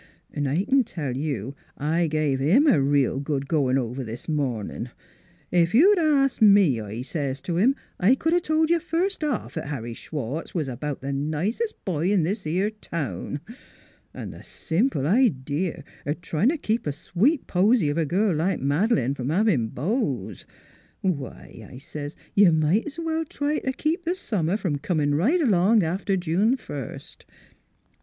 ... 'N' I can tell you, I give him a real good goin' over this mornin' :' Ef you'd asked me,' I says t' him, 4 1 c'd a told you first off 'at Harry Schwartz was about th' nicest boy in this 'ere town. ... An' th' simple idee o' tryin' t' keep a sweet posy of a girl like Mad'lane from havin' beaux. Why,' I says, ' you might 's well try t' keep th' summer from comin' right along after June first.